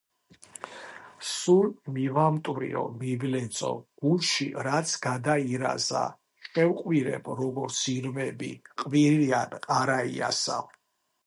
სულ მივამტვრიო მივლეწო გულში რაც გადაირაზა შევყვირებ როგორც ირმები ჰყვირიან ყარაიასა